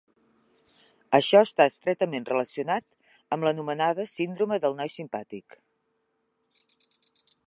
Això està estretament relacionat amb l'anomenada "síndrome del noi simpàtic".